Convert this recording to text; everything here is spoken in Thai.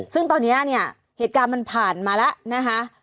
ซึ่งตอนนี้เนี่ยเหตุการณ์มันผ่านมาแล้วนะคะ